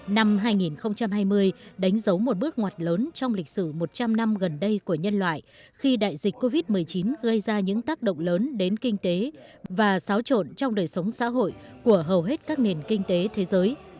năm hai nghìn hai mươi đánh dấu một bước ngoặt lớn trong lịch sử một trăm linh năm gần đây của nhân loại khi đại dịch covid một mươi chín gây ra những tác động lớn đến kinh tế và xáo trộn trong đời sống xã hội của hầu hết các nền kinh tế thế giới